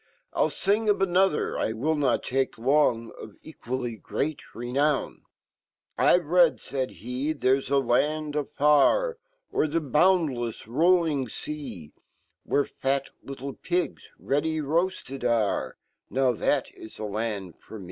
Ill fing of anofher, 't will not take long; Of equally great renown 2 ' I've/ read'' fald he /'there's aland afar, O'er fheboundlefs rolling fea, Where fat little pigs ready roarted r ,fhath h land forme.